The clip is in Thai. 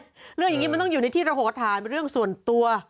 เรื่องอย่างนี้มันต้องอยู่ในที่ระโหฐานเรื่องส่วนตัว